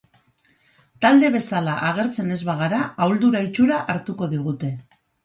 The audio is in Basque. Talde bezala agertzen ez bagara ahuldura itxura hartuko digute.